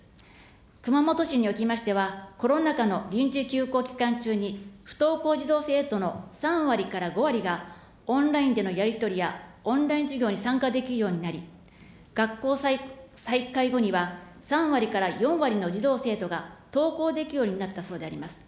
熊本市におきましては、コロナ禍の臨時休校期間中に、不登校児童・生徒の３割から５割が、オンラインでのやり取りやオンライン授業に参加できるようになり、学校再開後には３割から４割の児童・生徒が登校できるようになったそうであります。